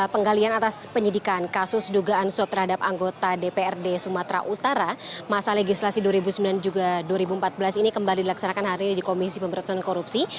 penggalian atas penyidikan kasus dugaan suap terhadap anggota dprd sumatera utara masa legislasi dua ribu sembilan juga dua ribu empat belas ini kembali dilaksanakan hari ini di komisi pemberantasan korupsi